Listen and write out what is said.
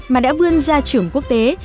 mà đã vươn ra trưởng quốc tế